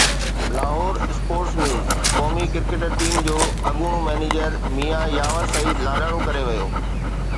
Lahore (sports news) قومي cricket team جو اڳوڻو مئنيجر ميان ياور سعيد لاڏاڻو ڪري ويو